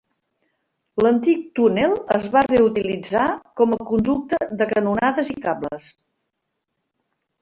L'antic túnel es va reutilitzar com a conducte de canonades i cables.